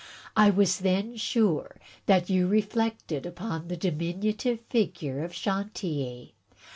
I was then sure that you reflected upon the diminutive figure of Chantilly.